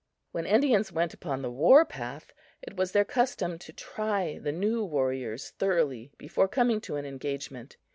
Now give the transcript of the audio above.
When Indians went upon the war path, it was their custom to try the new warriors thoroughly before coming to an engagement.